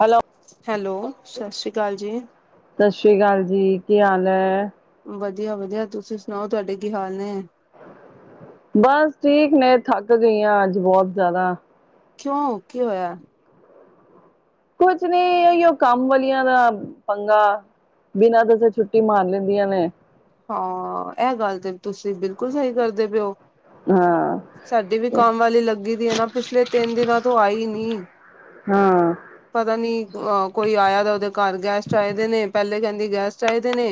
Hello hello ਸਾਸ੍ਰੀ ਕਾਲ ਜੀ ਸਾਸ੍ਰੀ ਕਾਲ ਜੀ ਕੀ ਹਾਲ ਐ ਵਧੀਆ ਵਧੀਆ ਤੁਸੀਂ ਸੁਣਾਓ ਤਾਡੇ ਕੀ ਹਾਲ ਨੇ ਬਸ ਠੀਕ ਨੇ ਥੱਕ ਗਈਆਂ ਅੱਜ ਬਹੁਤ ਜ਼ਿਆਦਾ ਕਿਉਂ ਕੀ ਹੋਇਆ ਕੁਝ ਨੀ ਇਹੀ ਉ ਕੰਮ ਵਾਲੀਆਂ ਦਾ ਪੰਗਾ ਬਿਨਾਂ ਦਸੇ ਛੁੱਟੀ ਮਾਰ ਲੈਂਦੀਆਂ ਨੇ ਹਾਂ ਇਹ ਗੱਲ ਤੇ ਤੁਸੀਂ ਬਿਲਕੁਲ ਸਹੀ ਕਰਦੇ ਪਏਓ ਹਾਂ ਸਾਡੀ ਵੀ ਕੰਮ ਵਾਲੀ ਲੱਗੀ ਦੀ ਪਿਛਲੇ ਤਿੰਨ ਦਿਨਾਂ ਤੋ ਆਈ ਨੀ ਹਾਂ ਪਤਾ ਨੀ ਕੋਈ ਆਇਆ ਦਾ ਉਦੇ ਘਰ ਗੈਸਟ ਆਏਦੇ ਨੇ ਪਹਿਲੇ ਕਹਿੰਦੀ ਗੈਸਟ ਆਏ ਦੇ ਨੇ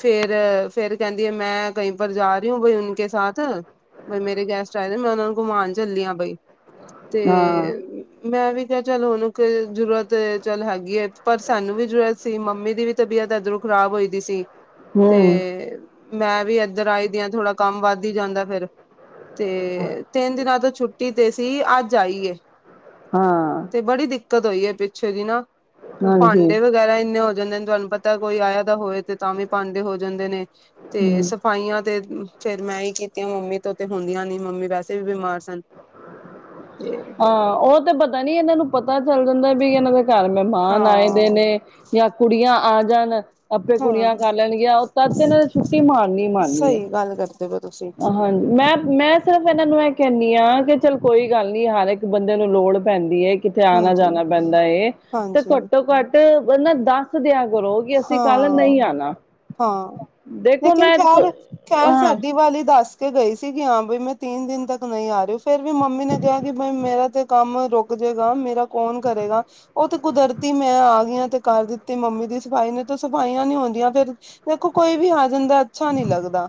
ਫੇਰ ਫੇਰ ਕਹਿੰਦੀਏ ਮੈਂ ਕਹੀ ਪਰ ਜਾ ਰਹੀ ਹੁ ਅਭੀ ਉਂਨਕੇ ਸਾਥ ਬਈ ਮੇਰੇ ਗੈਸਟ ਆਏ ਦੇ ਮੈਂ ਉਨਾਂ ਨੂੰ ਘੁਮਾਣ ਚੱਲੀ ਆ ਬਈ ਤੇ ਹਾਂ ਮੈਂ ਵੀ ਕਿਆ ਚੱਲ ਉਨੂੰ ਜ਼ਰੂਰਤ ਚੱਲ ਹੈਗੀ ਐ ਪਰ ਸਾਨੂੰ ਵੀ ਜ਼ਰੂਰਤ ਸੀ ਮੰਮੀ ਦੀ ਵੀ ਤਬੀਅਤ ਐਧਰੋ ਖ਼ਰਾਬ ਹੋਈ ਦੀ ਸੀ ਤੇ ਹਮ ਮੈਂ ਵੀ ਇੱਧਰ ਆਈ ਦੀ ਆ ਥੋੜਾ ਕੰਮ ਵੱਧ ਈ ਜਾਂਦਾ ਫੇਰ ਤੇ ਤਿੰਨ ਦਿਨਾਂ ਤੋਂ ਛੁੱਟੀ ਤੇ ਸੀ ਅੱਜ ਆਈ ਐ ਹਾਂ ਬੜੀ ਦਿਕਤ ਹੋਈ ਐ ਪਿੱਛੋਂ ਜਿ ਨਾ ਹਾਂਜੀ ਭਾਂਡੇ ਵਗੈਰਾ ਇੰਨੇ ਹੋ ਜਾਂਦੇ ਨੇ ਤੁਹਾਨੂੰ ਪਤਾ ਕੋਈ ਆਇਆ ਦਾ ਹੋਏ ਤੇ ਤਾਂ ਵੀ ਭਾਂਡੇ ਹੋ ਜਾਂਦੇ ਨੇ ਤੇ ਹਮ ਸਫ਼ਾਈਆਂ ਤੇ ਫੇਰ ਮੈਂ ਈ ਕੀਤੀਆਂ ਮੰਮੀ ਤੋਂ ਤੇ ਹੁੰਦੀਆਂ ਨੀ ਮੰਮੀ ਵੈਸੇ ਵੀ ਬਿਮਾਰ ਸਨ ਤੇ ਹਾਂ ਉਹ ਤੇ ਪਤਾ ਨੀ ਇਨਾਂ ਨੂੰ ਪਤਾ ਚੱਲ ਜਾਂਦਾ ਵੀ ਇਨਾਂ ਦੇ ਘਰ ਮਹਿਮਾਨ ਆਏ ਦੇ ਹਾਂ ਨੇ ਜਾਂ ਕੁੜੀਆਂ ਆ ਜਾਣ ਆਪੇ ਹਾਂ ਕੁੜੀਆਂ ਕਰ ਲੈਣਗੀਆਂ ਤਦ ਇਨਾਂ ਨੇ ਛੁੱਟੀ ਮਾਰਨੀ ਮਾਰਨੀ ਏ ਸਹੀ ਗੱਲ ਕਰਦੇ ਹੋ ਤੁਸੀਂ ਹਾਂਜੀ ਮੈਂ ਮੈਂ ਸਿਰਫ ਇਨਾਂ ਨੂੰ ਇਹ ਕਹਿੰਨੀ ਹਾਂ ਕਿ ਚਲ ਕੋਈ ਗੱਲ ਨੀ ਹਰ ਇੱਕ ਬੰਦੇ ਨੂੰ ਲੋੜ ਪੈਂਦੀ ਏ ਕਿਤੇ ਆਣਾ ਹਾਂਜੀ ਜਾਣਾ ਪੈਂਦਾ ਏ ਤੇ ਹਾਂਜੀ ਘੱਟੋ ਘੱਟ ਬੰਦਾ ਦਸ ਦਸ ਦਿਆਂ ਕਰੋ ਕਿ ਅਸੀਂ ਕੱਲ ਹਾਂ ਨਈ ਆਣਾ ਹਾਂ ਦੇਖੋ ਲੇਕਿਨ ਮੈਂ ਖੈਰ ਖੈਰ ਹਾਂ ਸਾਡੀ ਵਾਲੀ ਦੱਸ ਕੇ ਗਈ ਸੀਗੀ ਕੀ ਹਾਂ ਬਈ ਮੈਂ ਤਿੰਨ ਦਿਨ ਤੱਕ ਨਈ ਆ ਰਹੀ ਫਿਰ ਵੀ ਮੰਮੀ ਨੇ ਕਿਹਾ ਕਿ ਬਈ ਮੇਰਾ ਤੇ ਕੰਮ ਰੁਕ ਜੇਗਾ ਮੇਰਾ ਕੌਣ ਕਰੇਗਾ ਉਹ ਤੇ ਕੁਦਰਤੀ ਮੈਂ ਆ ਗਈ ਆ ਤੇ ਕਰ ਦਿੱਤੀ ਮੰਮੀ ਦੀ ਸਫਾਈ ਨੀ ਤਾਂ ਸਫਾਈਆਂ ਨੀ ਹੁੰਦੀਆਂ ਫੇਰ ਦੇਖੋ ਕੋਈ ਵੀ ਆ ਜਾਂਦਾ ਅੱਛਾ ਨੀ ਲੱਗਦਾ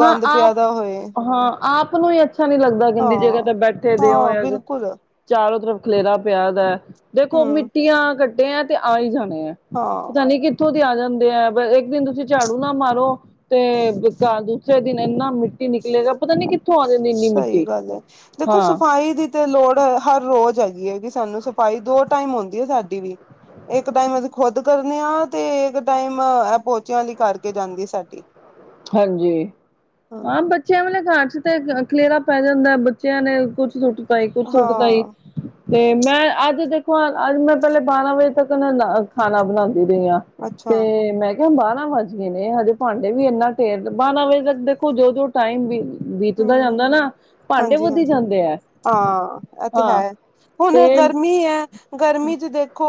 ਹਾਂ ਆਪ ਪਿਆਦਾ ਹੋਏ ਹਾਂ ਆਪ ਨੂੰ ਈ ਅੱਛਾ ਨੀ ਲੱਗਦਾ ਗੰਦੀ ਜਗ੍ਹਾ ਤੇ ਬੈਠੇ ਦੇ ਹੋ ਕੁਲ ਚਾਰੋਂ ਤਰਫ ਖਲੇਰਾ ਪਿਆ ਦੈ ਦੇਖੋ ਹਮ ਮਿੱਟੀਆਂ ਘਟਿਆ ਤੇ ਆ ਹੀ ਜਾਣੇ ਹੈ। ਹਾਂ। ਕਿੱਥੋਂ ਦੀ ਆ ਜਾਂਦੇ ਆ ਇੱਕ ਦਿਨ ਤੁਸੀਂ ਝਾੜੂ ਨਾ ਮਾਰੋ ਤੇ। ਸਵੇਰ ਦਿਨ ਇੰਨਾ ਮਿੱਟੀ ਨਿਕਲੇਗਾ ਪਤਾ ਨੀ ਕਿੱਥੋਂ ਆ ਜਾਂਦੀ ਇੰਨੀ ਸਹੀ ਮਿੱਟੀ ਗੱਲ ਹੈ। ਦੇਖੋ ਹਾਂ। ਸਫ਼ਾਈ ਦੀ ਤੇ ਲੋੜ ਹਰ ਰੋਜ਼ ਹੈਗੀ ਏ ਕਿ ਸਾਨੂੰ ਸਫਾਈ ਦੋ ਟਾਈਮ ਹੂੰਦੀ ਹੈ ਸਾਡੀ ਵੀ। ਇੱਕ ਟਾਈਮ ਅਸੀਂ ਖੋਦ ਕਰਨੇ ਆ ਤੇ ਇੱਕ ਟਾਈਮ ਇਹ ਪੋਚਿਆਂ ਆਲੀ ਕਰਕੇ ਜਾਂਦੀ ਸਾਡੀ। ਹਾਂਜੀ, ਹਾਂ ਬੱਚਿਆਂ ਵਾਲੇ ਘਰ ਚ ਤੇ ਖਲੇਰਾ ਪੈ ਜਾਂਦਾ ਬਚ। ਬੱਚਿਆਂ ਨੇ ਕੁੱਛ ਸੁੱਟ ਤਾ ਈ, ਕੁੱਛ ਸੁੱਟ ਤਾ ਈ। ਹਾਂ ਤੇ ਮੈਂ ਅੱਜ ਦੇਖੋ ਅੱਜ ਮੈਂ ਪਹਿਲੇ ਬਾਰਾਂ ਵਜੇ। ਤੱਕ ਨਾ ਖਾਣਾ ਬਣਾਉਂਦੀ ਪਈ ਹਾਂ ਅੱਛਾ ਤੇ ਮੈਂ। ਬਾਰਾਂ ਵੱਜ ਗਏ ਨੇ ਹਜੇ ਭਾਂਡੇ ਵੀ ਇੰਨਾ ਢੇਰ ਬਾਰਾਂ ਵੱਜੇ ਦੇਖੋ ਜੋ ਜੋ ਟਾਈਮ ਵੀ। ਬੀਤਦਾ ਹਮ ਜਾਂਦਾ ਨਾ ਭਾਂਡੇ ਵਧੀ ਹਾਂਜੀ-ਹਾਂਜੀ। ਜਾਂਦੇ ਹੈ ਹਾਂ ਇਹ ਤੇ ਹਾਂ। ਹੈ ਹੁਣ ਤੇ ਗਰਮੀ ਹੈ। ਗਰਮੀ ਚ ਦੇਖੋ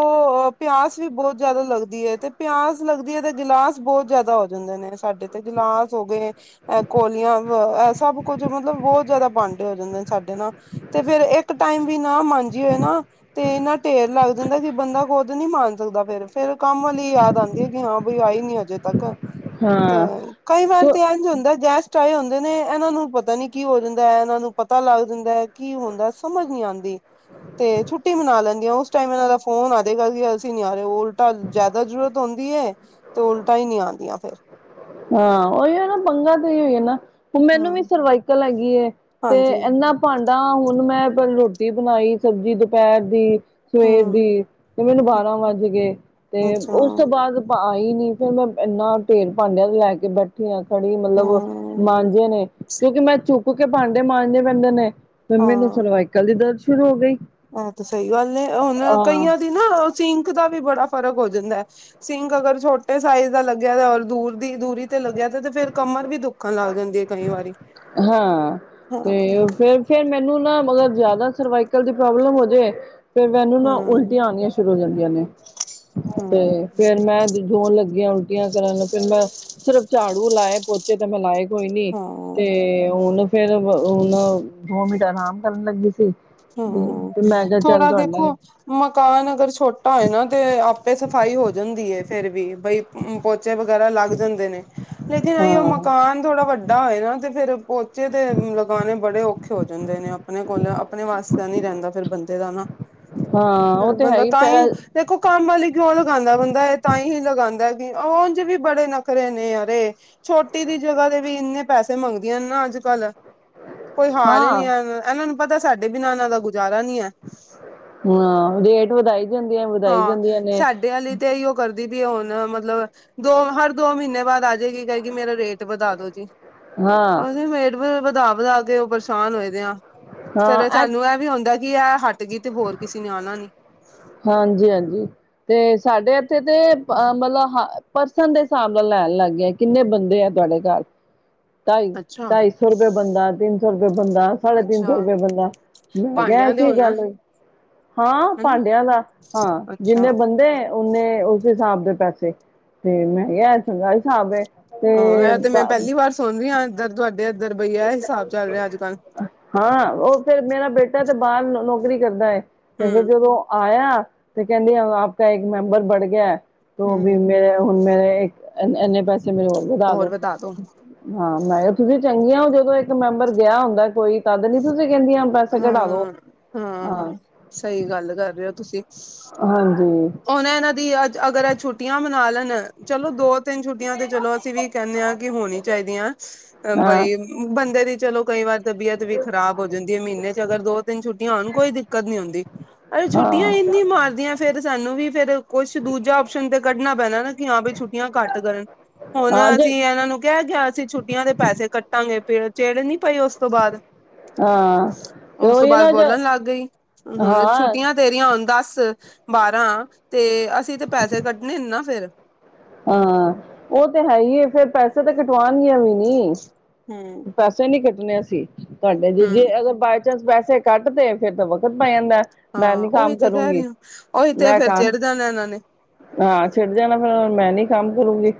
ਅ ਪਿਆਸ ਵੀ ਬਹੁਤ ਜਿਆਦਾ ਲੱਗਦੀ ਐ ਤੇ ਪਿਆਸ ਲੱਗਦੀ ਹੈ ਤੇ ਗਿਲਾਸ ਬਹੁਤ ਜਿਆਦਾ ਹੋ। ਜਾਂਦੇ ਨੇ ਸਾਡੇ ਤੇ ਗਿਲਾਸ ਹੋ ਗਏ ਐਹ ਕੋਲੀਆਂ ਐ ਸਭ ਕੁੱਝ ਮਤਲਬ ਬੋਤ। ਬਹੁਤ ਜ਼ਿਆਦਾ ਭਾਂਡੇ ਹੋ ਜਾਂਦੇ ਨੇ ਸਾਡੇ ਨਾ ਤੇ ਫੇਰ ਏਕ ਟੈਮ ਵੀ ਨਾ ਮਾਂਜਿਏ ਨਾ। ਤੇ ਇੰਨਾ ਢੇਰ ਲੱਗ ਜਾਂਦੈ ਕਿ ਬੰਦਾ ਖੁੱਦ ਨੀ ਮਾਂਜ ਸਕਦਾ ਫੇਰ ਫੇਰ ਕੰਮ ਵਾਲੀ ਯਾਦ ਆਉਂਦੀ ਹੈ ਕਿ ਹਾਂ ਬਈ ਆਈ ਨੀ ਅੱਜ। ਅਜੇ ਤੱਕ ਤੇ ਹਾਂ ਕਈ ਵਾਰ ਤੇ ਐਝ ਹੁੰਦਾ ਗੈਸਟ ਆਏ ਹੁੰਦੇ ਨੇ। ਐਨਾਂ ਨੂੰ ਪਤਾ ਨੀ ਕੀ ਹੋ ਜਾਂਦਾ ਹੈ ਐਨਾਂ ਨੂੰ ਪਤਾ ਲੱਗ ਜਾਂਦੈ ਕੀ ਹੁੰਦੈ ਸਮਝ ਨੀ ਆਉਂਦੀ। ਤੇ ਛੁੱਟੀ ਮਨਾ ਲੈਂਦੀ ਐ ਓ ਉਸ ਟਾਈਮ ਇਹਨਾਂ ਦਾ ਫੋਨ ਆਵੇਗਾ ਕਿ ਅਸੀਂ ਨੀ ਆ ਰਹੇ ਉਹ ਉਲਟਾ। ਜ਼ਿਆਦਾ ਜ਼ਰੂਰਤ ਹੁੰਂਦੀ ਹੈ ਤੇ ਉਲਟਾਂ ਹੀ ਨਹੀਂ ਆਉਂਦੀਆਂ ਫੇਰ। ਹਾਂ, ੳਇਯੋ ਨਾ ਪੰਗਾ ਤੇ ਏਯੋ ਹੈ ਨਾ ਮੈਨੂੰ ਵੀ ਹਮ ਸਰਵਾਈਕਲ ਹੈਗੀਏ। ਤੇ ਹਾਂਜੀ ਏਨਾ ਭਾਂਡਾ ਹੁਣ ਮੈਂ ਰੋਟੀ ਬਣਾਈ ਸਬਜ਼ੀ ਦੁਪੈਰ ਦੀ। ਸਵੇਰ ਹਮ ਦੀ ਮੈਨੂੰ ਬਾਰਾਂ ਵੱਜ ਗਏ ਤੇ ਅੱਛਾ ਉਸ ਤੋਂ ਬਾਅਦ। ਆਈ ਨੀ ਫਿਰ ਮੈਂ ਇੰਨਾ ਢੇਰ ਭਾਂਡਿਆਂ ਦਾ ਲੈ ਕੇ ਬੈਠੀ ਆ ਸੜੀ ਮਤਲਬ ਹਮ ਮਾਂਜੇ ਨੇ ਕਿਉਂਕਿ ਮੈਂ ਝੁਕ ਕੇ ਭਾਂਡੇ ਮਾਂਜਣੇ ਪੈਂਦੇ ਨੇ। ਤੇ ਮੈਨੂੰ ਸਰਵਾਈਕਲ ਦੀ ਦਰਦ ਸ਼ੁਰੂ ਹੋ ਗਈ। ਹਾਂਜੀ, ਸਹੀ ਗੱਲ ਏ ਹੁਣ ਹਾਂ ਕਈਆਂ। ਤੇ ਨਾ ਉਹ ਸਿੰਕ ਦਾ ਵੀ ਬੜਾ ਫ਼ਰਕ ਹੋ ਜਾਂਦਾਸਿੰਕ ਅਗਰ ਛੋਟੇ ਸਾਈਜ਼ ਦਾ ਲੱਗਿਆ ਔਰ ਦੂਰ ਦੀ ਦੂਰੀ ਤੇ ਲੱਗਿਆ ਤੇ ਤੇ ਫੇਰ ਕਮਰ ਵੀ ਦੁੱਖਣ ਲੱਗ ਜਾਂਦੀ ਏ ਕਈ ਵਾਰੀ। ਹਾਂ ਹਾਂ ਤੇ ਫੇਰ- ਫੇਰ ਮੈਨੂੰ ਨਾ ਮਗਰ ਜਿਆਦਾ ਸਰਵਾਈਕਲ ਦੀ ਪ੍ਰੋਬਲਮ ਹੋਜੇ। ਤੇ ਮੈਨੂੰ ਨਾ ਹੂੰ, ਉਲਟੀਆਂ ਆਣੀਆਂ ਸ਼ੁਰੂ ਹੋ ਜਾਂਦੀਆਂ ਨੇ। ਤੇ ਹੂੰ, ਫੇਰ ਮੈਂ ਜੋਣ ਲੱਗੀਆਂ ਉਲਟੀਆਂ ਕਰਨ ਫੇਰ ਮੈਂ। ਸਿਰਫ਼ ਝਾੜੂ ਲਾਏ ਪੋਚੇ ਤੇ ਮੈਂ ਲਾਏ ਕੋਈ ਨੀ ਤੇ। ਹਾਂ, ਤੇ ਹੁਣ ਫੇਰ ਹੁਣ ਦੋ ਮਿੰਟ ਅਰਾਮ ਕਰਨ ਲੱਗੀ ਸੀ। ਹਮ ਤੇ ਮੈਂ ਕਿਹਾ ਚੱਲ ਥੋੜਾ ਤੁਹਾਡੇ ਨਾਲ ਦੇਖੋ। ਮਕਾਨ ਅਗਰ ਛੋਟਾ ਹੋਏ ਨਾ ਤੇ ਆਪੇ ਸਫ਼ਾਈ ਹੋ ਜਾਂਦੀ ਹੈ ਫੇਰ ਵੀ ਬਈ। ਪੋਚੇ ਵਗੈਰਾ ਲੱਗ ਜਾਂਦੇ ਨੇ। ਲੇਕਿਨ ਏਇਉ ਹਾਂ ਮਕਾਨ ਥੋੜਾ ਵੱਡਾ ਹੋਏ ਨਾ ਤੇ ਫੇਰ ਪੋਚੇ ਤੇ ਲਗਾਣੇ ਬੜੇ ਔਖੇ ਹੋ ਜਾਂਦੇ ਨੇ। ਆਪਣੇ ਕੋਲ ਆਪਣੇ ਵਾਸਤੇ ਨੀ ਰਹਿੰਦਾ ਫਿਰ ਬੰਦੇ ਦਾ ਨਾ ਹਾਂ ਉਹ ਤੇ ਹੈ ਬੰਦਾ ਤਾਂ ਫ ਹੀ। ਦੇਖੋ ਕੰਮ ਵਾਲੀ ਕਿਉਂ ਲਗਾਦੈ ਬੰਦਾ ਇਹ ਤਾਂ ਹੀ ਲਗਾਦੈ ਉਝ ਵੀ ਬੜੇ ਨਖਰੇ ਨੇ ਅਰੇ। ਛੋਟੀ ਦੀ ਜਗ੍ਹਾ ਤੇ ਵੀ ਇੰਨੇ ਪੈਸੇ ਮੰਗਦੀਆਂ ਨੇ ਨਾ ਅੱਜ ਕੱਲ੍ਹ। ਕੋਈ ਹਾਲ ਈ ਨੀ ਹਾਂ ਹੈ ਐਨਾਂ ਨੂੰ ਪਤਾ ਸਾਡੇ ਬਿਨਾਂ ਇਹਨਾਂ ਦਾ ਗੁਜ਼ਾਰਾ ਨੀ ਹੈ। ਹਾਂ, ਰੇਟ ਵਧਾਈ ਜਾਂਦੀਆਂ, ਵਧਾਈ ਜਾਂਦੀਆਂ ਨੇ। ਕਈ ਉਹ ਕਰਦੀ ਵੀ ਹੁਣ ਮਤਲਬ ਦੋ ਹਰ ਦੋ ਮਹੀਨੇ ਬਾਅਦ ਆ ਜਾਏਗੀ, ਕਹਿਗੀ ਮੇਰਾ ਰੇਟ ਵਧਾ ਦੋ ਜੀ। ਹਾਂ ਉਹਦੇਰ ਰੇਟ ਵਧਾ ਵਧਾ ਕੇ ਪਰੇਸ਼ਾਨ ਹੋਏ ਦੀਆਂ। ਕਦੇ ਸਾਨੂੰ ਇਹ ਵੀ ਆਉਂਦਾ, ਕਿ ਇਹ ਹੱਟ ਗਈ ਤੇ ਹੋਰ ਕਿਸੇ ਨੇ ਆਉਣਾ ਨੀ। ਹਾਂਜੀ ਹਾਂਜੀ। ਤੇ ਸਾਡੇ ਇੱਥੇ ਤੇ ਅ ਮਤਲਬ, ਪਰਸਨ ਦੇ ਹਿਸਾਬ ਨਾਲ ਲੈਣ ਲੱਗ ਗਿਆ। ਕਿੰਨੇ ਬੰਦੇ ਆ ਤੁਹਾਡੇ ਘਰ, ਢਾਈ, ਅੱਛਾ ਢਾਈ ਸੌ ਰੁਪਏ ਬੰਦਾ ਤਿੰਨ। ਤਿੰਨ ਸੌ ਰੁਪਏ ਬੰਦਾ, ਸਾਢੇ ਤਿੰਨ ਸੌ ਅੱਛਾ ਰੁਪਏ ਬੰਦਾ, ਮੈਂ ਕਿਹਾ ਇਹ ਭਾਂਡਿਆਂ ਦੇ ਕੀ ਹੋਣਾ ਗੱਲ ਹੋਈ। ਹਾਂ ਹਨਾ ਭਾਂਡਿਆ ਦਾ, ਹਾਂ ਅੱਛਾ ਜਿੰਨੇ ਬੰਦੇ ਉਹਨੇ ਉਸ ਹਿਸਾਬ ਦੇ ਪੈਸੇ, ਤੇ ਮੈਂ ਕਿਹਾ ਚੰਗਾ ਹਿਸਾਬ ਹੈ। ਹਾਂ ਇਹ ਤੇ ਮੈਂ ਪਹਿਲੀ ਵਾਰ ਸੁਣਰੀ ਹਾਂ, ਇੱਧਰ ਤੁਹਾਡੇ, ਇੱਧਰ ਬਈ ਇਹ ਹਿਸਾਬ ਚੱਲ ਰਿਹਾ ਅੱਜ-ਕੱਲ੍ਹ ਹਾਂ ਉਹ ਫੇਰ ਮੇਰਾ ਬੇਟਾ ਤੇ, ਬਾਹਰ ਨੌਕਰੀ ਕਰਦਾ ਹੈ ਤੇ ਫਰ ਹਮ ਜਦੋਂ। ਆਇਆ, ਤੇ ਕਹਿੰਦੀ ਆਪ ਕਾ ਇੱਕ ਮੇਂਬਰ ਬੜ ਗਿਆ। ਤ ਵੀ ਹਮ ਮੇਰੇ ਹੁਣ ਮੇਰੇ ਇੰਨੇ ਪੈਸੇ ਮੇਰੇ ਹੋਰ ਵਧਾ ਦੋ, ਹਾਂ ਮੈਂ ਕਿਹਾ ਤੁਸੀ। ਉਹ ਜਦੋਂ ਇੱਕ ਮੈਂਬਰ ਗਿਆ ਹੁੰਦਾ ਕੋਈ, ਤਦ ਨੀ ਤੁਸੀਂ ਕਹਿੰਦੀਆਂ। ਪੈਸੇ ਘਟਾ ਦੋ, ਹਾਂ। ਸਹੀ ਗੱਲ ਕਰ ਰਹੇ ਹੋ ਤੁਸੀਂ। ਹਾਂਜੀ। ਉਹਨੇ ਇਹਨਾਂ ਦੀ ਅੱਜ ਅਗਰ ਇਹ ਛੁੱਟੀਆਂ ਮਨਾ ਲੈਣ, ਚਲੋ ਦੋ। ਤਿੰਨ ਛੁੱਟੀਆਂ ਤੇ ਚਲੋ, ਅਸੀਂ ਵੀ ਕਹਿੰਦੇ ਹਾਂ ਕਿ ਹੋਣੀ ਚਾਹੀਦੀਆਂ ਅ ਹਾਂ ਬਈ। ਬੰਦੇ ਦੀ ਚਲੋ ਕਈ ਵਾਰ ਤਬੀਅਤ ਵੀ ਖ਼ਰਾਬ ਹੋ ਜਾਂਦੀ ਹੈ, ਮਹੀਨੇ ਚ ਅਗਰ ਦੋ- ਤਿੰਨ ਛੁੱਟੀਆਂ ਹੋਣ, ਕੋਈ ਦਿੱਕਤ ਨਹੀਂ ਹੁੰਦੀ। ਉਹ ਛੁੱਟੀਆਂ ਹਾਂ ਇਨੀਆਂ ਮਾਰਦੀਆਂ ਫੇਰ, ਸਾਨੂੰ ਵੀ ਫੇਰ। ਕੁਛ ਦੂਜਾ ਆਪਓਸ਼ਨ ਤੇ ਕੱਢਣਾ ਪੈਣਾ ਨਾ ਕਿ ਹਾਂ ਵੀ ਛੁੱਟੀਆਂ ਘੱਟ ਕਰਨ, ਹੁਣ ਹਾਂ ਅਸੀਂ ਜੇ ਇਹਨਾਂ ਨੂੰ ਕਹਿ ਗਿਆ, ਅਸੀਂ ਛੁੱਟੀਆਂ ਦੇ ਪੈਸੇ ਕੱਟਾਂਗੇ ਚੇੜ ਨੀ ਪਾਈ ਉਸ ਉਸ ਤੋਂ ਬਾਅਦ, ਹਾਂ ਤੇ ਉਸ ਤੋਂ ਉਹੀ ਬਾਅਦ ਨਾ ਜੇ ਬੋਲਣ ਲੱਗ ਗਈ, ਹੁਣ ਹਾਂ ਛੁੱਟੀਆਂ। ਤੇਰੀਆਂ ਹੁਣ ਦਸ, ਬਾਰਾਂ ਤੇ ਅਸੀਂ ਤੇ ਪੈਸੇ ਕੱਢਣੇ ਨੇ ਨਾ ਫੇਰ। ਹਾਂ, ਉਹ ਤੇ ਹੈ ਹੀ ਫੇਰ ਪੈਸੇ ਤਾਂ ਕਟਵਾਉਣਗੀਆਂ ਵੀ ਨੀ। ਹਮ ਪੈਸੇ ਨੀ ਕੱਟਣੇ ਅਸੀਂ, ਤੁਹਾਡੇ ਜੇ ਜੇ ਹੂੰ, ਅਗਰ ਬਕ ਪੈਸੇ ਕੱਟ ਤੇ ਫਿਰਰ ਤਾਂ ਵਕਤ ਪੈ ਜਾਂਦਾ। ਮੈਂ ਹਾਂ ਨੀ ਉਹੀ ਕੰਮ ਤਾਂ ਕਹਿ ਕਰੂੰਗੀ ਰਹੀ ਹਾਂ, ਉਹੀ ਤੇ ਮੈਂ ਫੇਰ ਕੰਮ ਚਿੜ ਜਾਣਾ ਇਹਨਾਂ ਨੇ। ਹਾਂ ਚਿੜ ਜਾਣਾ, ਫੇਰ ਮੈਂ ਨੀ ਕੰਮ ਕਰੂੰਗੀ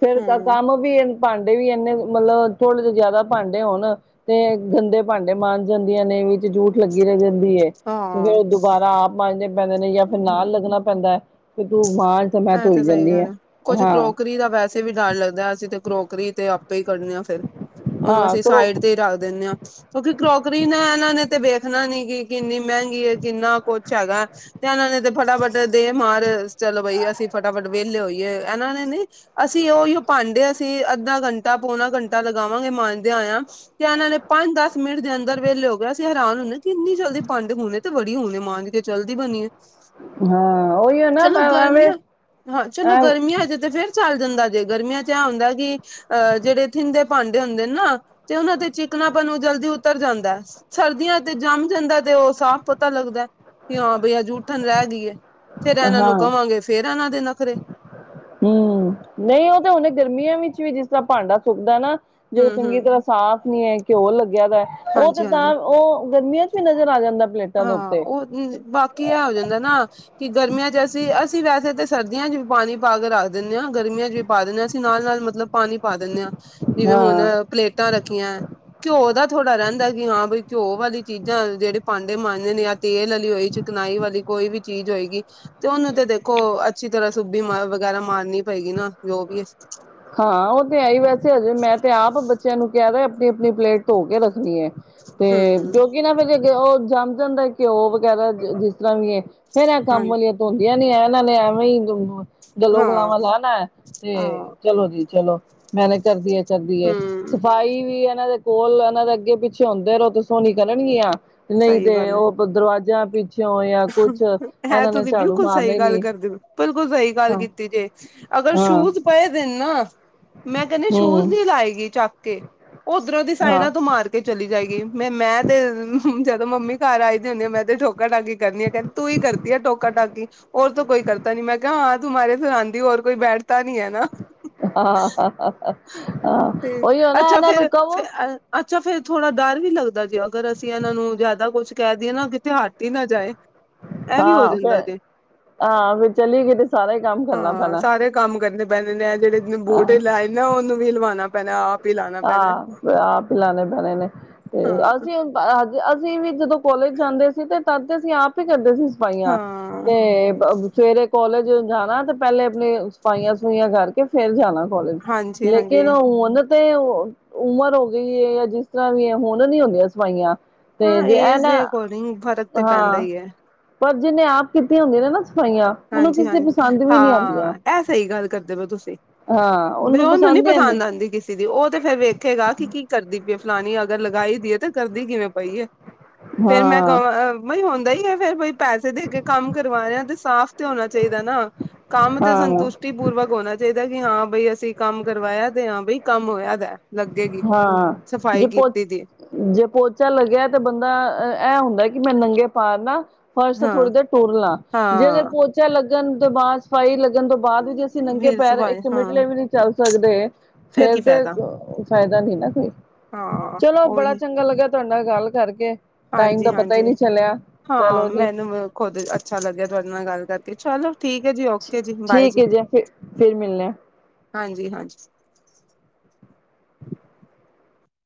ਫੇਰ ਹੂੰ। ਕੰਮ। ਵੀ ਭਾਂਡੇ ਵੀ ਇੰਨੇ ਮਤਲਬ, ਥੋੜੇ ਜ ਜ਼ਿਆਦਾ। ਭਾਂਡੇ ਹੋਣ, ਤੇ ਗੰਦੇ ਭਾਂਡੇ ਮਣ ਜਾਂਦੀਆਂ ਨੇ ਵਿੱਚ ਜੂਠ ਲੱਗੀ ਰਹਿ ਜਾਂਦੀ ਹੈ, ਤੇ ਹਾਂ ਫੇਰ ਦੁਬਾਰਾ ਆਪ ਮਾਂਜਣੇ ਪੈਂਦੇ ਨੇ, ਜਾਂ ਫੇਰ ਨਾਲ ਲੱਗਣਾ। ਪੈਂਦਾ, ਕਿ ਤੂੰ ਮਾਂਜ ਮੈਂ ਇਹ ਤੇ ਧੋਈ ਸਹੀ ਜਾਂਦੀ ਗੱਲ ਆ ਹੈ, ਕੁੱਝ ਹਾਂ ਕਰੋਕਰੀ ਦਾ ਵੈਸੇ ਵੈਸੇ ਹੀ ਡਰ ਲੱਗਦਾ ਅਸੀਂ ਤੇ ਕਰੋਕਰੀ ਤੇ ਆਪੇ ਹੀ ਕਰਨੇ ਆ ਫੇਰ, ਉਹਨੂੰ ਹਾਂ ਅਸੀਂ ਕਰੋ ਸਾਈਡ ਤੇ ਹੀ ਰੱਖ ਦਿੰਦੇ ਆਂ। ਕਿਉਂਕਿ ਕਰੋਕਰੀ ਨਾ, ਇਹਨਾਂ ਨੇ ਤੇ ਵੇਖਣਾ ਨੀ ਕਿ ਕਿੰਨੀ ਮਹਿੰਗੀ ਹੈ, ਕਿੰਨਾ ਕੁਛ ਹੈਗਾ। ਤੇ ਇਹਨਾਂ ਨੇ ਤੇ ਫਟਾਫਟ ਦੇਹ ਮਾਰ, ਚਲੋ ਬਈ ਅਸੀਂ ਫਟਾਫਟ ਵਿਹਲੇ ਹੋਈਏ, ਇਹਨਾਂ ਨੇ ਨੀ ਅਸੀਂ ਉਹੀ ਭਾਂਡੇ, ਅਸੀਂ ਅੱਧਾ ਘੰਟਾ, ਪੌਣਾ ਘੰਟਾ ਲਗਾਵਾਂਗੇ ਮਾਂਜਦੇ ਆਆ। ਤੇ ਇਹਨਾਂ ਨੇ ਪੰਜ-ਦਸ ਮਿੰਟ ਦੇ ਅੰਦਰ ਵਿਹਲੇ ਹੋ ਗਿਆਏ, ਅਸੀਂ ਹੈਰਾਨ ਹੁੰਦੇ ਕਿ ਇੰਨੀ ਜਲਦੀ ਵੰਡ ਹਣੇ। ਤੇ ਬੜੀ ਹੁਣੇ, ਮਾਂਜ ਕੇ ਚਲਦੀ ਬਣੀ ਚੱਲਦੀ ਬਣੀਏ। ਹਾਂ, ਉਹੀ ਨਾ [unintelligible] ਹਾਂ ਚਲੋ ਐ ਗਰਮੀਆਂ ਹਜੇ 'ਤੇ ਫੇਰ ਚੱਲ ਜਾਂਦਾ ਜੇ, ਗਰਮੀਆਂ 'ਚ ਐ ਹੁੰਦਾ ਕਿ ਅ ਜੇੜੇ ਥਿੰਨ ਦੇ ਭਾਂਡੇ ਹੁੰਦੇ ਨਾ 'ਤੇ ਉਨਾਂ 'ਤੇ ਚਿਕਨਾਪਣ ਓ ਜਲਦੀ ਉਤਰ ਜਾਂਦੈਂ। ਸਰਦੀਆਂ ਤੇ ਜੰਮ ਜਾਂਦਾ 'ਤੇ ਓ ਸਾਫ਼ ਪਤਾ ਲੱਗਦੈ ਕਿ ਹਾਂ ਬਈ ਆ ਜੂਠਣ ਰੈ ਗਈ ਏ। ਫੇਰ ਐਨਾਂ ਨੂੰ ਹਾਂ ਕਵਾਂਗੇ, ਫੇਰ ਐਨਾਂ ਦੇ ਨਖਰੇ। ਹੂੰ ਨਈ ਓ ਤਾਂ ਹੁਨੇ ਗਰਮੀਆਂ ਵਿੱਚ ਵੀ ਜਿਸ ਤਰਾਂ ਭਾਂਡਾ ਸੁੱਕਦਾ ਨਾ ਜੇ ਓ ਹੂੰ ਹੂੰ ਚੰਗੀ ਤਰਾਂ ਸਾਫ਼ ਨੀ ਐ, ਘਿਓ ਲੱਗਿਆ ਦਾ ਐ ਓ 'ਤੇ ਹਾਂਜੀ ਹਾਂਜੀ ਤਾਂ ਓ ਗਰਮੀਆਂ 'ਚ ਵੀ ਨਜ਼ਰ ਆ ਜਾਂਦਾ। ਪਲੇਟਾਂ ਦੇ ਹਾਂ ਉੱਤੇ। ਓ ਬਾਕੀ ਐ ਹੋ ਜਾਂਦਾ ਨਾ ਕਿ ਗਰਮੀਆਂ 'ਚ ਅਸੀਂ ਅ ਸੀਂ ਵੈਸੇ ਤੇ ਸਰਦੀਆਂ 'ਚ ਵੀ ਪਾਣੀ ਪਾ ਕੇ ਰੱਖ ਦਿੰਨੇ ਆ, ਗਰਮੀਆਂ 'ਚ ਵੀ ਪਾ ਦਿੰਨੇ ਆ ਅਸੀਂ ਨਾਲ-ਨਾਲ ਮਤਲਬ ਪਾਣੀ ਪਾ ਦਿੰਨੇ ਆ। ਜਿਵੇਂ ਹੁਣ ਹਾਂ। ਪਲੇਟਾਂ ਰੱਖੀ ਐ, ਘਿਓ ਦਾ ਥੋੜਾ ਰੈਂਦਾ ਕਿ ਹਾਂ ਬਈ ਘਿਓ ਵਾਲੀ ਚੀਜ਼ਾਂ ਜੇੜੇ ਭਾਂਡੇ ਮਾਂਜਣੇ ਆ ਤੇਲ ਆਲੀ ਹੋਈ, ਚਿਕਨਾਈ ਵਾਲੀ ਕੋਈ ਵੀ ਚੀਜ਼ ਹੋਏਗੀ 'ਤੇ ਉਨਾਂ 'ਤੇ ਦੇਖੋ ਅੱਛੀ ਤਰਾਂ ਸੂਬੀ ਮ ਵਗੈਰਾ ਮਾਰਨੀ ਪਏਗੀ ਨਾ ਜੋ ਵੀ ਏ। ਹਾਂ ਓ 'ਤੇ ਹੈਈ ਵੈਸੇ ਹਜੇ ਮੈਂ 'ਤੇ ਆਪ ਬੱਚਿਆਂ ਨੂੰ ਕੈ ਦੇਆ ਆਪਣੀ-ਆਪਣੀ ਪਲੇਟ ਧੋ ਕੇ ਰੱਖ ਣੀ ਐ‌ 'ਤੇ ਹਮ ਕਿਉਂ ਕਿ ਨਾ ਫੇਰ ਜੇ ਘਿਓ ਜੰਮ ਜਾਂਦਾ ਐ, ਘਿਓ ਵਗੈਰਾ ਜਿਸ ਤਰਾਂ ਵੀ ਏ ਫੇਰ ਐ ਹਾਂ ਕੰਮ ਆਲੀਆ ਧੋਂਦੀਆਂ ਨੀ ਐ ਏਨਾਂ ਨੇ ਐਵੇਂ ਈ ਗਲੋ ਹਾਂ ਗਲਾਵਾਂ ਲਾਨਾ 'ਤੇ ਹਾਂ ਚਲੋ ਜੀ ਚਲੋ ਮੈਂਨੇ ਕਰਦੀ ਐ, ਕਰਦੀ ਐ ਹਮ ਸਫ਼ਾਈ ਵੀ ਏਨਾਂ ਦੇ ਕੋਲ ਏਨਾਂ ਦੇ ਅੱਗੇ-ਪਿੱਛੇ ਆਉਦੇ ਰੋ 'ਤੇ ਸੋਹਣੀ ਕਰਨਣਗੀਆਂ ਨਈ ਸਹੀ ਤੇ ਓ ਦਰਵਾਜ਼ਾ ਪੀ ਐ ਤੁਸੀਂ ਬਿਲਕੁੱਲ ਮਾਰਨਾ ਸਈ ਹੀ ਗੱਲ ਨੀ ਕਰਦੇ ਪੇ, ਬਿਲਕੁੱਲ ਸਈ ਗੱਲ ਹਾਂ ਕੀਤੀ ਜੇ। ਅਗਰ ਹਾਂ ਸ਼ੂਜ ਪਏ ਦੇ ਨਾ, ਮੈਂ ਕੈਂਨੀ ਆ ਸ਼ੂਜ ਹਮ ਨੀ ਲਾਏਗੀ ਚਾ ਕੇ, ਉਧਰੋਂ ਦੀ ਹਾਂ ਸਾਈਡਾਂ ਤੋਂ ਮਾਰ ਕੇ ਚਲੀ ਜਾਏਗੀ ਮੈਂ, ਮੈਂ 'ਤੇ ਜਦੋਂ ਮੰਮੀ ਘਰ ਆਈ ਦੀ ਹੁੰਨੀ ਏ ਮੈਂ ਤੇ ਠੋਕਾ ਠਾਕੀ ਕਰਨੀ ਆ ਕੈਂਦੀ ਤੂੰ ਈ ਕਰਤੀ ਐ ਟੋਕਾ ਟਾਕੀ। ਹੋਰ ਤਾਂ ਕੋਈ ਕਰਤਾ ਨੀ ਮੈਂ ਕੇਆ ਹਾਂ ਤੂੰ ਮਾਰੇ ਸ ਆਂਦੀ ਹੋਰ ਕੋਈ ਬੈਠਦਾ ਨੀ ਐ ਨਾ। ਆ ਤੇ ਉਈਓ ਨਾ ਅੱਛਾ ਐਨਾਂ ਫੇਰ ਨੂੰ ਕਵੋ ਅੱਛਾ ਫੇਰ ਥੋੜਾ ਡਰ ਵੀ ਲੱਗਦਾ ਜੇ ਅਗਰ ਅਸੀਂ ਐਨਾਂ ਨੂੰ ਜਿਆਦਾ ਕੁਛ ਕੈ ਦਈਏ ਨਾ ਕਿਤੇ ਹੱਟ ਈ ਨਾ ਜਾਏ। ਐ ਵੀ ਹੋ ਹਾਂ ਜਾਂਦਾ ਫਿਰ ਜੇ। ਹਾਂ ਫਿਰ ਚਲੀ ਗਈ ਤੇ ਸਾਰਾ ਹੀ ਕੰਮ ਕਰਨਾ ਹਾਂ ਪੈਣਾ ਸਾਰੇ ਕੰਮ ਕਰਨੇ ਪੈਂਦੇ ਨੇ ਐ ਜੇੜੇ ਆਹ ਬੂਟੇ ਲਾਏ ਨਾ ਉਨੂੰ ਵੀ ਲਵਾਉਣਾ ਪੈਣਾ ਆਪ। ਹੀ ਲਾਉਣਾ ਪੈਣਾ ਅ ਆਪ ਈ ਲਾਣੇ ਪੈਣੇ ਨੇ 'ਤੇ ਹਾਂ ਅਸੀਂ ਹੁ ਅੱਜ ਅਸੀਂ ਵੀ ਜਦੋਂ ਕੋਲੇਜ ਜਾਂਦੇ ਸੀ 'ਤੇ ਤਦ ਅਸੀਂ ਆਪ ਈ ਕਰਦੇ ਸੀ ਸਫ਼ਾਈਆਂ ਹਾਂ ਤੇ ਬ ਸਵੇਰੇ ਕੋਲਜ ਜਾਣਾ 'ਤੇ ਪੈਲੇ ਆਪਣੇ ਸਫਾਈਆਂ ਸਫੁਈਆਂ ਕਰ ਕੇ ਫੇਰ ਜਾਣਾ ਕੋਲਜ ਹਾਂਜੀ ਹਾਂਜੀ ਲੇਕਿਨ ਹੁਣ 'ਤੇ ਉਮਰ ਹੋ ਗਈ ਏ ਆ ਜਿਸ ਤਰਾਂ ਵੀ ਐ ਹੁਣ ਨੀ ਹੁੰਦੀਆਂ ਸਫਾਈਆਂ। ਤੇ ਹਾਂ ਇਜ ਐ ਏਜ ਨਾ, ਦੇ ਅਕੋਰਡਿੰਗ ਫ਼ਰਕ ਤੇ ਪੈਂਦਾ ਹਾਂ। ਹੀ ਹੈ ਪਰ ਜਿਨੇ ਆਪ ਕੀਤੀਆਂ ਹੁੰਦੀਆਂ ਨੇ ਨਾ ਸਫਾਈਆਂ ਉਹਨੂੰ ਕਿਸੇ ਹਾਂਜੀ-ਹਾਂਜੀ ਪਸੰਦ ਵੀ ਨਹੀਂ ਆਉਂਦੀਆਂ। ਹਾਂ ਐ ਸਈ ਗੱਲ ਕਰਦੇ ਪੇ ਓ ਤੁਸੀਂ। ਹਾਂ ਬਈ ਉਹਨੂੰ ਉਨੂੰ ਨੀ ਹੀ ਆਂਦੇ ਪਸੰਦ ਆਂਦੀ ਕਿਸ ਤੀ ਦੀ ਓ 'ਤੇ ਫੇਰ ਵੇਖੇਗਾ ਕੀ-ਕੀ ਕਰਦੀ ਪੀਏ ਫਲਾਨੀ ਅਗਰ ਲਗਾਈ ਦੀਏ 'ਤੇ ਕਰਦੀ ਕਿਵੇਂ ਪਈ ਏ। ਫੇਰ ਮੈਂ ਹਾਂ ਕਵ ਬਈ ਹੁੰਦਾ ਈ ਏ ਫੇਰ ਬਈ ਪੈਸੇ ਦੇ ਕੇ ਕੰਮ ਕਰਵਾ ਰੇਆ ਤੇ ਸਾਫ਼ ਤੇ ਹੋਣਾ ਚਾਈਦਾ ਨਾ ਕੰਮ 'ਤੇ ਹਾਂ ਸੰਤੁਸ਼ ਟੀ ਪੂਰਵਕ ਹੋਣਾ ਚਾਈਦਾ ਕਿ ਹਾਂ ਬਈ ਅਸੀਂ ਕੰਮ ਕਰਵਾਇਆ 'ਤੇ ਹਾਂ ਬਈ ਕੰਮ ਹੋਇਆ ਦਾ ਐ। ਲੱਗੇਗੀ, ਹਾਂ ਸਫ਼ਾਈ ਜੇ ਪੋ ਕੀਤੀ ਦੀ ਏ। ਜੇ ਪੋਚਾ ਲੱਗਿਆ ਤੇ ਬੰਦਾ ਇਹ ਹੁੰਦਾ ਕਿ ਮੈਂ ਨੰਗੇ ਪਾਰ ਨਾ ਫਰਸ਼ ਹਾਂ ਥੋੜੀ ਦੇਰ ਟੁਰਨਾ ਜੇਕਰ ਹਾਂ। ਪੋਚਾ ਲੱਗਣ ਤੋਂ ਬਾਅਦ ਸਫ਼ਾਈ ਲੱਗਣ ਤੋਂ ਬਾਅਦ ਵੀ ਜੇ ਅਸੀਂ ਨੰਗੇ ਫਿਰ ਪੈਰ ਸਫਾਈ ਇੱਕ ਹਾਂ ਮਿੱਟਲੇ ਵੀ ਨਹੀਂ ਚੱਲ ਸਕਦੇ ਫੇਰ ਕੀ ਤੇ ਫਾਇਦਾ ਫਾਇਦਾ ਨੀ ਨਾ ਕੋਈ, ਹਾਂ ਚਲੋ ਬੜਾ ਉਹੀ ਚੰਗਾ ਲੱਗਾਿਆ ਤੁਹਾਡੇ ਨਾਲ ਗੱਲ ਕਰਕੇ ਟਾਈਮ ਹਾਂਜੀ ਦਾ ਪਤਾ ਹੀ ਹਾਂਜੀ। ਨਹੀਂ ਚੱਲਿਆ ਚੱਲ ਹਾਂ ਉਹਦੀ ਮੈਨੂੰ ਖੁਦ ਅੱਛਾ ਲੱਗਿਆ ਤੁਹਾਡੇ ਨਾਲ ਗੱਲ ਕਰਕੇ, ਚਲ ਠੀਕ ਹੈ ਜੀ, ਓਕੇ ਜੀ, ਬਾਏ ਠੀਕ ਜੀ, ਹੈ ਫਿਰ ਫਿਰ ਮਿਲਣੇ ਆ ਹਾਂਜੀ-ਹਾਂਜੀ।